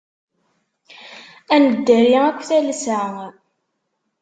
Ad neddari akk talsa.